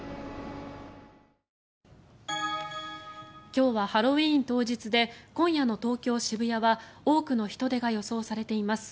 今日はハロウィーン当日で今夜の東京・渋谷は多くの人出が予想されています。